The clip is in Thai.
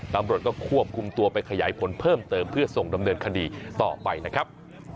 ตำรวจก็ควบคุมตัวไปขยายผลเพิ่มเติมเพื่อส่งดำเนินคดีต่อไปนะครับ